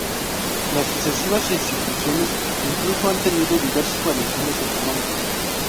Las sucesivas instituciones incluso han tenido diversas variaciones en su nombre.